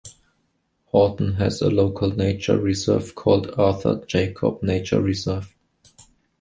Horton has a local nature reserve called Arthur Jacob Nature Reserve.